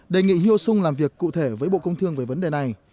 đề nghị hyu sung làm việc cụ thể với bộ công thương về vấn đề này